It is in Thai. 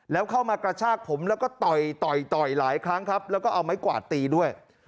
แล้วเข้ามากระชากผมแล้วก็ต่อยต่อยต่อยหลายครั้งครับแล้วก็เอาไม้กวาดตีด้วย